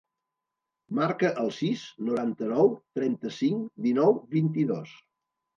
Marca el sis, noranta-nou, trenta-cinc, dinou, vint-i-dos.